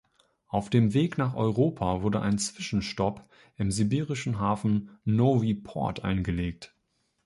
Auf dem Weg nach Europa wurde ein Zwischenstopp im sibirischen Hafen Nowy Port eingelegt.